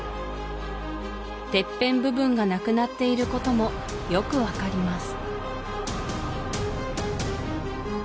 てっぺん部分がなくなっていることもよく分かります